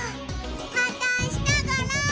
またあしたゴロ。